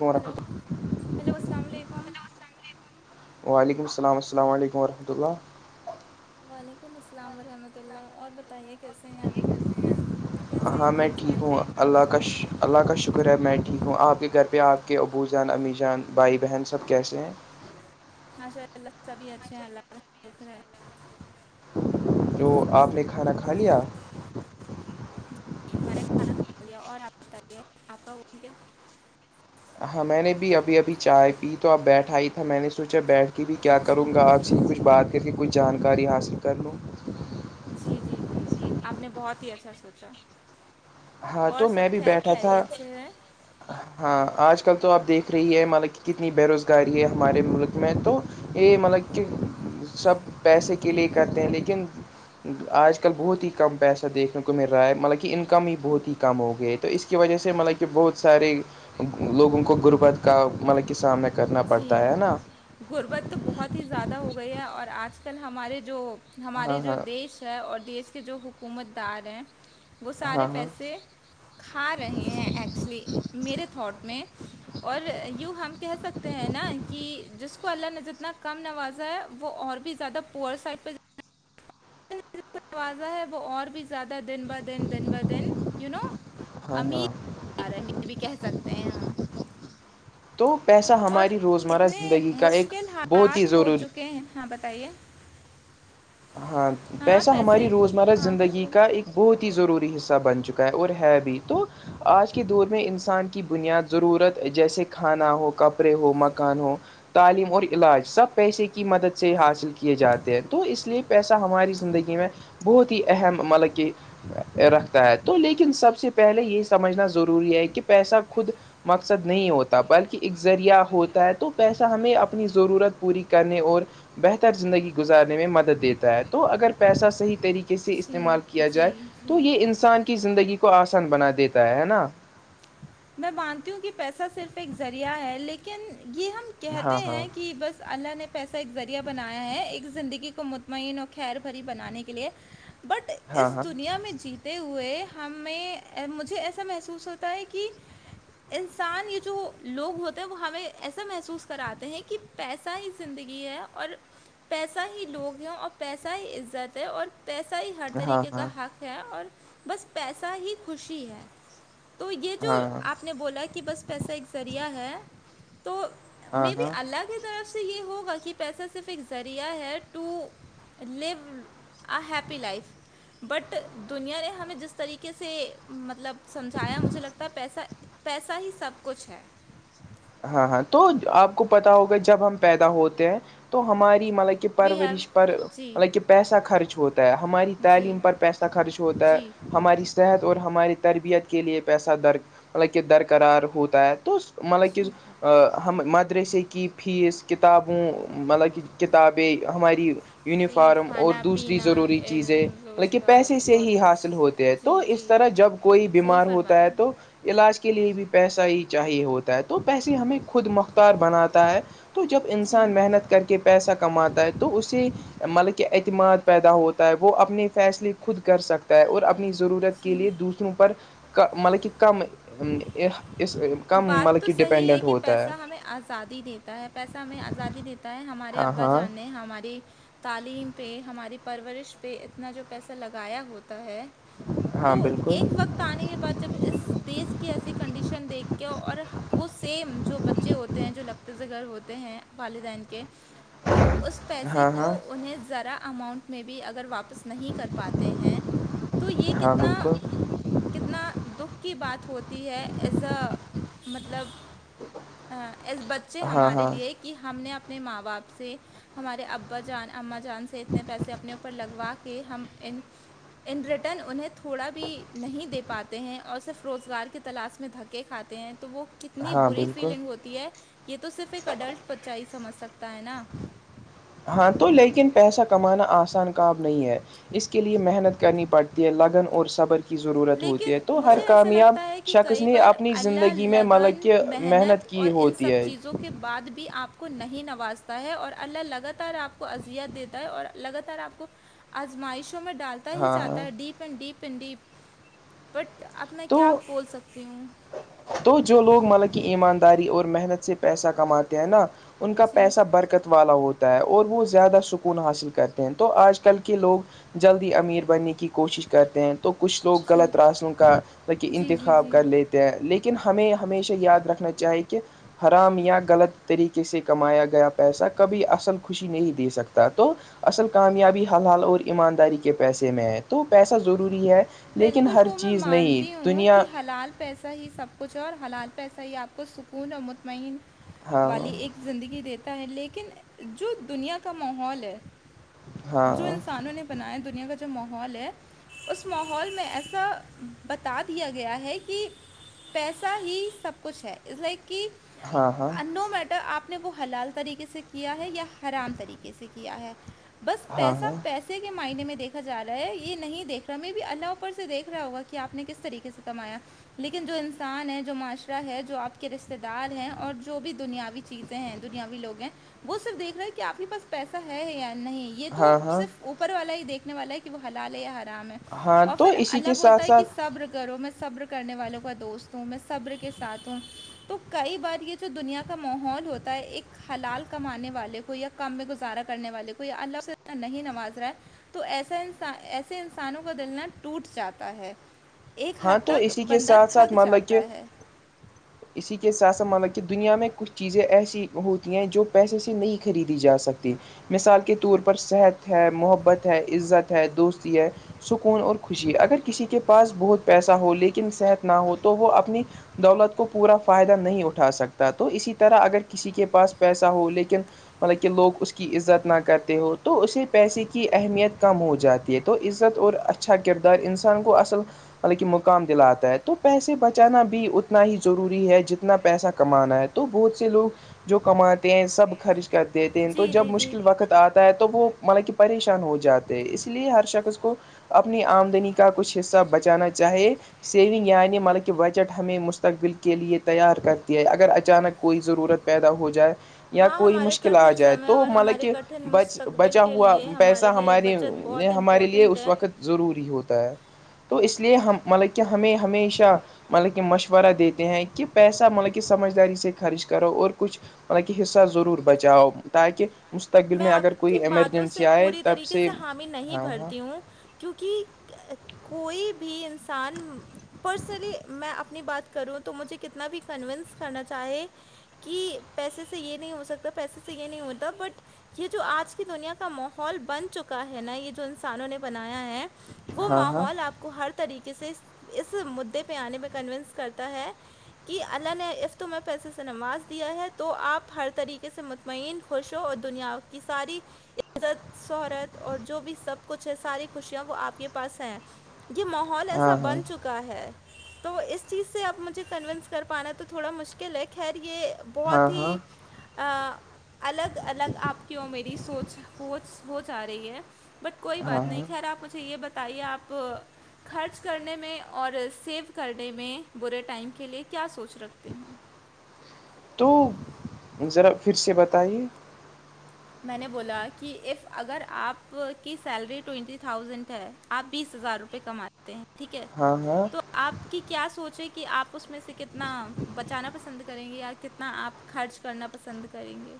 مار hello hello السلام علیکم وعلیکم السلام السل علیکم ورحمۃ اللہ وعلیکم السلام ورحمۃ اللہ اور بتائیے کیسے ہیں آپ کیسے ہیں ہاں میں حال ٹھیک چال ہوں اللہ کا ش اللہ کا شکر ہے میں ٹھیک ہوں آپ کے گھر پہ آپ کے ابو جان امی جان بھائی بہن سب کیسے ہیں ماشاء اللہ سبھی اچھے ہیں اللہ شکر ہے جو آپ نے کھانا کھا لیا ج میں نے کھانا کھا لیا اور آپ بتائیے آپ کا گیا ہاں میں نے بھی ابھی ابھی چائے پی تو اب بیٹھا ہی تھا میں نے سوچا بیٹھ دی دی کیا جی کروں گا آپ سے کچھ بات کر کے کچھ جانکاری حاصل کر لوں جی جی جی آپ نے بہت ہی اچھا سوچا ہاں اور تو سب میں بھی خیر بیٹھا تھا خیریت سے ہے ہاں آج کل تو آپ دیکھ رہی ہے مطلب کہ کتنی بے روزگاری ہے ہمارے ملک میں تو یہ مطلب کہ سب پیسے کے لیے کرتے ہیں لیکن آج بہت ہی کم پیسہ دیکھنے کو مل رہا ہے مطلب کہ انکم ہی بہت ہی کم ہو گئے تو اس کی وجہ سے مطلب کہ بہت ساری لوگوں کو غربت کا مطلب کہ سامنا کرنا پڑتا ہے کرنا نا غربت تو بہت ہی زیادہ ہو گئی ہے اور آج کل ہمارے جو ہاں ہمارے جو ہاں دیش اور دیش کے جو حکومت دار ہیں وہ ہاں سارے ہاں پیسے کھا رہے ہیں ایکچولی میرے تھاٹ میں اور یو ہم کہہ سکتے ہیں نا کہ جس کو اللہ نے جتنا کم نوازا ہے وہ اور بھی زیادہ پوور سائڈ پہ نوازا ہے وہ اور بھی زیادہ دن بہ دن دن بہ دن ی نو ہاں ہاں امیر بھی کہہ سکتے ہیں ہم تو پیسہ اور ہماری روزمرہ اتنے زندگی کا ایک مشکل بہت ہی حالات ہو ضروری چکے ہیں ہاں بتائیے ہاں ہاں پیسہ پیسے ہماری روزمرہ ہاں کچھ زندگی بول کا ایک بہت ہی ضروری حصہ بن چکا ہے اور ہے بھی تو آج کے دور میں انسان کی بنیاد ضرورت جیسے کھانا ہو کپ ے ہو مکان ہو تعلیم اور علاج سب پیسے کی مدد سے حاصل کیے جاتے ہیں تو اس لیے پیسہ ہماری زندگی میں بہت ہی اہم مطلب کہ رکھتا ہے تو لیکن سب سے پہلے یہ سمجھنا ضروری ہے کہ پیسہ خود مقصد نہیں ہوتا بلکہ ا ذریعہ ہوتا ہے تو پیسہ ہمیں اپنی ضرورت پوری کرنے اور بہتر زندگی گزارنے میں مدد دیتا ہے تو اگر پیسہ صحیح طریقے کیسے جی استعمال کیا جائے جی تو جی یہ انسان کی زندگی کو آسان بنا دیتا ہے ہے نا میں مانتی ہوں کہ پیسہ صرف ایک ذریعہ ہے لیکن یہ ہم کہتے ہاں ہیں کہ بس اللہ نے پیسہ ایک ذریعہ بنایا ہے ایک زندگی کو مطمئن اور خیر بھری بنانے کے لیے بٹ ہاں اس ہاں دنیا میں جیت تے ہوئے ہمیں مجھے ایسا محسوس ہوتا ہے کہ [inaudible] انسان یہ جو لوگ ہوتے ہیں وہ ہمیں ایسا محسوس کراتے ہیں کہ پیسہ ہی زندگی ہے اور پیسہ ہی لوگ ہے اور پیسہ ہی عزت ہے اور پیسہ ہی ہر ہاں طریقے کا ہاں حق ہے اور بس پیسہ ہی خوشی ہے تو یہ ہاں جو ہاں ہاں آپ نے بولا کہ بس پیسہ ایک ذریعہ ہے تو ہاں مے بی ہاں اللہ کی طرف سے یہ ہوگا کہ پیسہ صرف ایک ذریعہ ہے to live a happy life but دنیا نے ہمیں جس طریقے سے مطلب سمجھایا مجھے لگتا ہے پیسہ پیسہ ہی سب کچھ ہے ہاں ہاں تو آپ کو پتا ہوگا جب ہم پیدا ہوتے ہیں تو ہماری مطلب کہ وی ہیو پرورش پر جی حالانکہ پیسہ خرچ ہوتا ہے ہماری جی تعلیم پر پیسہ خرچ ہوتا ہے جی ہماری صحت اور ہماری تربیت کے لیے پیسہ در مطلب کہ درقرار ہوتا ہے مطلب کہ سن ہم مدرسے کی فیس کتابوں مطلب کہ کتابیں ہماری جی یونیفارم اور کھانا دوسری پینا ضروری چیزیں حالانکہ روزگار پیسے سے ہی کالج حاصل ہوتی تو جی اس جی طرح جب کوئی صحیح بیمار ہوتا فرمایا ہے تو علاج کے لیے بھی پیسہ ہی چاہیے ہوتا ہے تو پیسے ہمیں خود مختار بناتا ہے تو جب جی انسان محنت کر کے پیسہ کماتا ہے تو اسے مطلب کہ اعتماد پیدا ہوتا ہے وہ اپنے فیصلے خود کر سکتا اور اپنی ضرورت کے جی لیے دوسروں پر مطلب کہ کم اس کم بات مطلب تو کہ صحیح ہے ڈپینڈنٹ کہ ہوتا پیسہ ہے ہمیں آزادی دیتا ہے پیسہ ہمیں آزادی دیتا ہے ہمارے ہاں ابا ہاں جان نے ہماری تعلیم پہ ہماری پرورش پہ اتنا جو پیسہ لگایا ہوتا ہے ہاں تو بالکل ایک وقت آنے کے بعد جب اس دیس کی ایسی کنڈیشن دیکھ کے اور وہ سیم جو بچے ہوتے ہیں جو لقتے زجگر ہوتے ہیں والدین کے وہ اس پیسے ہاں کو ہاں انہیں ذرا اماؤنٹ میں بھی اگر واپس نہیں کر پاتے ہیں تو یہ ہاں کتنا بالکل کتنا دکھ کی بات ہوتی ہے ایز اے مطلب اس بچے ہاں ہمارے ہاں لیے ایک کہ ہم نے اپنے ماں باپ سے ہمارے ابا جان اما جان سے اتنے پیسے اپنے اوپر لگوا کے ہم ان ریٹرن انہیں تھوڑا بھی نہیں دے پاتے ہیں اور صرف روزگار کے تلاش میں دھکے کھاتے ہیں تو وہ کتنی ہاں بری بالکل فیلنگ ہوتی ہے یہ تو صرف ایک اڈلٹ بچہ ہی سمجھ سکتا ہے نا ہاں تو لیکن پیسہ کمانا آسان کام نہیں ہے اس کے لیے محنت کرنی پڑتی لگن اور صبر کی ضرورت ہوتی لیکن ہے تو ہر مجھے ایسا کامیاب لگتا ہے کہ شخص کئی نے بار اپنی اللہ زندگی میں مطلب لگن کہ محنت کی اور ان ہوتی سب ہے چیزوں بعد بھی آپ کو نہیں نوازتا ہے اور اللہ لگاتار آپ کو ازیت دیتا ہے اور لگاتار آپ کو آزمائشوں میں ڈالتا ہی ہاں جاتا ہاں ہے deep and deep and deep but اب میں کیا تو بول سکتی ہوں تو جو لوگ مطلب کہ ایمانداری اور محنت سے پیسہ کما ان کا جی پیسہ برکت والا ہوتا ہے اور وہ زیادہ سکون حاصل کرتے ہیں تو آج کل کہ لوگ جلدی امیر بننے کی کوشش کرتے ہیں تو کچھ لوگ جی غلط راستوں کا جی جی انتخاب کر جی لیتے ہیں لیکن لیکن ہمیں ہمیشہ یاد رکھنا چاہیے کہ حرام یا غلط طریقے سے کمایا گیا پیسہ کبھی اصل خوشی نہیں دے سکتا تو اصل کامیابی حلال اور ایمانداری کے پیسے میں ہے تو پیسہ ضروری ہے لیکن بلکل ہر وہ میں چیز نہیں مانتی ہوں دنیا کہ حلال پیسہ ہی سب کچھ اور حلال پیسہ ہی آپ کو سکون اور مطمئن ہاں والی ایک زندگی دیتا ہے لیکن جو دنیا کا ماحول ہے ہاں جو انسانوں نے بنایا دنیا کا جو ماحول ہے اس میں ماحول میں ایسا بتا دیا گیا ہے کہ پیسہ ہی سب کچھ ہے از لائک کہ ہاں ہاں نو میٹر آپ وہ ہلال طریقے سے کیا ہے یا حرام طریقے سے کیا ہے بس ہاں پیسا ہاں پیسے کے معائنے میں دیکھا جا رہا ہے یہ نہیں دیکھ تو می بھی اللہ اوپر سے دیکھ رہا ہوگا کہ آپ نے کس طریقے سے کمایا لیکن جو انسان ہے جو معاشرہ ہے جو آپ کے رشتے دار ہیں اور جو بھی دنیاوی چیزیں ہیں دنیاوی لوگ ہیں وہ صرف دیکھ رہے کہ آپ کے پاس پیسہ ہے یا نہیں یہ تو ہاں ہاں صرف اوپر والا ہی دیکھنے والا ہے کہ وہ حلال ہے یا حرام ہے ہاں اور تو پھر اسی کے اللہ بولتا ساتھ ہے کہ ساتھ صبر کرو میں صبر کرنے والوں کا دوست ہوں میں صبر کے ساتھ ہوں تو کئی بار یہ جو دنیا کا ماحول ہوتا ہے ایک حلال کمانے والے کو یا کم میں گزارا کرنے والے کو یا اللہ سے نہیں نواز رہا ہے تو ایسا انسان ایسے انسانوں کو بدلنا ٹوٹ جاتا ہے ایک ہاں حد تو تک اسی کے بندہ ساتھ ساتھ تھک مطلب کہ جاتا ہے [inaudible] اسی کے ساتھ سات مطلب کہ دنیا میں کچھ چیزیں ایسی ہوتی ہیں جو پیسے سے نہیں خریدی جا سکتی مثال کے طور پر صحت ہے محبت ہے عزت ہے دوستی ہے سکون اور خوشی اگر کسی کے پاس بہت پیسہ ہو لیکن صحت نہ ہو تو وہ اپنی دولت کو پورا فائدہ نہیں اٹھا سکتا تو اسی طرح اگر کسی کے پاس پیسہ ہو لیکن مطلب کہ لوگ اس کی عزت نہ کرتے ہو تو اسے پیسے کی اہمیت کم ہو جاتی ہے تو عزت اور اچھا کردار انسان کو اصل مطلب کہ مقام دلاتا ہے تو پیسے بچانا بھی اتنا ہی ضروری ہے جتنا پیسہ کمانا ہے تو بہت سے لوگ جو کماتے ہیں سب خرچ کر دیتے ہیں تو جی جب جی جی مشکل وقت آتا ہے تو وہ مطلب کہ پریشان ہو جاتے ہیں اس لیے ہر شخص کو اپنی آمدنی کا کچھ حصہ بچانا چاہے سیونگ یعنی مطلب کہ بجٹ ہمیں مستقبل کے لیے تیار کرتی ہے اگر اچانک کوئی ضرورت پیدا ہو جائے یا ہاں کوئی ہمارے مشکل آ کٹھن جائے سمے تو اور مطلب ہمارے کہ کٹھن بچ مستقبل بچا کے ہوا لیے پیسہ ہمارے لیے ہماری بچت بہت ہمارے لیے امپورٹنٹ اس ہے وقت ضروری ہوتا ہے تو اس اس لیے ہم مطلب کہ ہمیں ہمیشہ مطلب کہ مشورہ دیتے ہیں کہ پیسہ مطلب کہ سمجھداری سے خرچ کرو اور کچھ حالان کہ حصہ ضرور بچاؤ تاکہ مستقبل میں آپ اگر کوئی کی باتوں سے ایمرجنسی آئے پوری تب طریقے سے حامی نہیں ہاں ہاں بھرتی ہوں کیونکہ کوئی بھی انسان پرسنلی میں اپنی بات کروں تو مجھے کتنا بھی کنوونس کرنا چاہے کہ پیسے سے یہ نہیں ہو سکتا پیسے سے یہ نہیں ہوتا بٹ یہ جو آج کی دنیا کا ماحول بن چکا ہے نا یہ جو انسانوں نے بنایا ہے وہ ہاں ماحول آپ کو ہر طریقے سے اس مدے پہ آنے پہ کنوونس کرتا ہے کہ اللہ نے افتم میں پیسے سے نماز دیا ہے تو آپ ہر طریقے سے مطمئن خوش ہو اور دنیا کی ساری عزت شہرت اور جو بھی سب کچھ ہے ساری خوشیاں وہ آپ کے پاس ہیں یہ ماحول ایسا ہاں ہاں ہاں بن چکا کا ہے تو اس چیز سے اب مجھے کنوونس کر پانا تو تھوڑا مشکل ہے خیر یہ ہاں بہت ہی ہاں الگ الگ آپ کی اور میری سوچ پوچ ہو جا رہی ہے بٹ کوئی ہاں بات نہیں ہاں خیر آپ مجھے یہ بتائیے آپ خرچ کرنے میں اور سیو کرنے میں برے ٹائم کے لیے کیا سوچ رکھتے ہیں تو ذرا پھر سے بتائیے میں نے بولا کہ اف اگر آپ کی سیلری ٹینٹی تھاؤزینٹ ہے آپ بیس ہزار روپئے کماتے ہیں ٹھیک ہے ہاں ہاں تو آپ کی کیا سوچ ہے کہ آپ اس میں سے کتنا بچانا پسند کریں گے یا کتنا آپ خرچ کرنا پسند کریں گے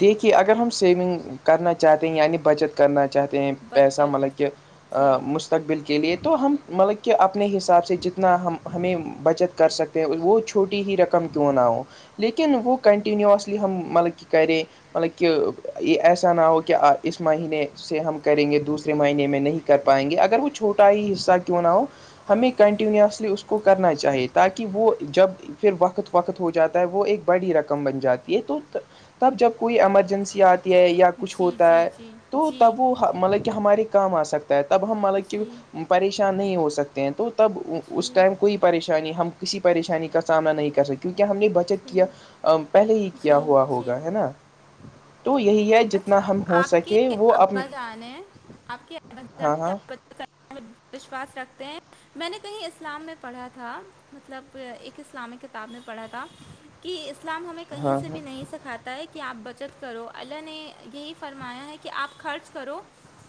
دیکھیے اگر ہم سوئنگ کرنا چاہتے ہیں یعنی بچت کرنا چاہتے ہیں پیسہ مطلب کہ مش جی مستقبل کے لیے تو ہم مطلب کہ اپنے حساب سے جتنا ہم ہمیں بچت کر سکتے وہ چھوٹی ہی رقم کیوں نہ ہو لیکن وہ کنٹینیوسلی ہم مطلب کہ کریں مطلب کہ یہ ایسا نہ ہو کہ اس مہینے سے ہم کریں گے دوسرے مہینے میں نہیں کر پائیں گے اگر وہ چھوٹا ہی حصہ کیوں نہ ہو ہمیں کنٹینوسلی اس کو کرنا چاہیے تاکہ وہ جب پھر وقت وقت ہو جاتا ہے وہ ایک بڑی رقم بن جاتی ہے تو تب جب کوئی ایمرجنسی آتی ہے یا کچھ جی ہوتا جی ہے جی تو جی تب وہ مطلب کہ ہمارے کام آ سکتا ہے تب ہم مطلب کہ جی پریشان نہیں ہو سکتے ہیں تو تب جی اس ٹائم کوئی پریشانی ہم کسی پریشانی کا سامنا نہیں کر سکتے کیونکہ ہم نے بچ چیک کیا جی پہلے ہی کیا جی ہوا ہوگا جی ہے تو یہی ہے جتنا اچھا ہم ہو آپ کے سکیں وہ اپ ابا جان ہیں آپ کے ہاں ہاں [unintelligible] وشواس رکھتے ہیں میں نے کہیں اسلام میں پڑھا تھا مطلب ایک اسلامک کتاب میں پڑھا تھا کہ اسلام ہمیں کہیں ہاں سے بھی ہاں نہیں سکھاتا ہے کہ آپ بچت کرو ال یعنے یہی فرمایا ہے کہ آپ خرچ کرو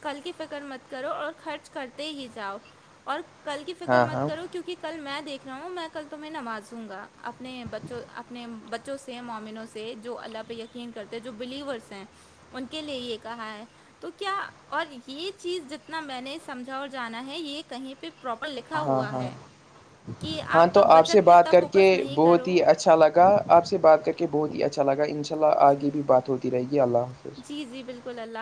کل کی فکر مت کرو اور خرچ کرتے ہی جاؤ اور کل کی فکر ہاں مت ہاں کرو کیونکہ کل میں دیکھ رہا ہوں میں کل تمہیں نوازوں گا اپنے بچوں اپنے بچوں سے مومنوں سے جو اللہ پہ یقین کرتے جو بلیورس ہیں ان کے لیے یہ کہا ہے تو کیا اور یہ چیز جتنا میں نے سمجھا اور جانا ہے یہ کہیں پہ پراپر لکھا ہاں ہوا ہاں ہے کہ ہاں آپ تو سے بچت پہ بات اتنا کر کے فوکس نہیں بہت کرو ہی اچھا لگا آپ سے بات کر کے بہت ہی اچھا لگا ان شا اللہ آگے جی بھی بات ہوتی رہے گی اللہ حافظ اللہا